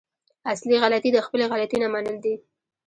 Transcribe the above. اصلي غلطي د خپلې غلطي نه منل دي.